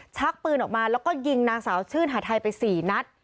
ชักปืนออกมาแล้วก็ยิงนางสาวชื่นหาทัยไป๔นัด